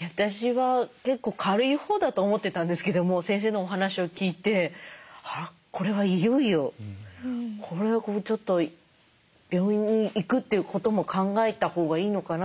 私は結構軽いほうだと思ってたんですけども先生のお話を聞いてこれはいよいよちょっと病院に行くっていうことも考えたほうがいいのかなと。